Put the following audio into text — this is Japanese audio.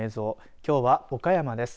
きょうは岡山です。